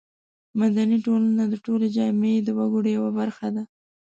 مدني ټولنه د ټولې جامعې د وګړو یوه برخه ده.